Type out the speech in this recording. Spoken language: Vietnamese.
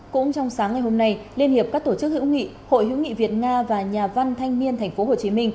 cũng trong sáng ngày hôm nay liên hiệp các tổ chức hữu nghị hội hữu nghị việt nga và nhà văn thanh niên tp hcm